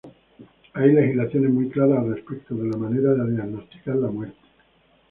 Hay legislaciones muy claras al respecto de la manera de diagnosticar la muerte.